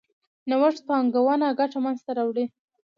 نوښت پانګونه ګټه منځ ته راوړي.